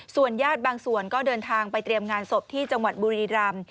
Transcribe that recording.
ญาติบางส่วนก็เดินทางไปเตรียมงานศพที่จังหวัดบุรีรำ